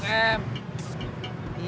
anterin gua ke blok m